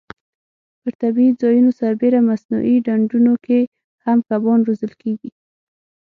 پر طبیعي ځایونو سربېره مصنوعي ډنډونو کې هم کبان روزل کېږي.